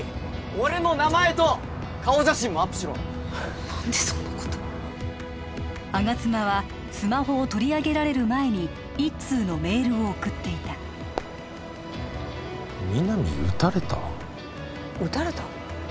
俺の名前と顔写真もアップしろ何でそんなこと吾妻はスマホを取り上げられる前に一通のメールを送っていた「みなみうたれた」？うたれた？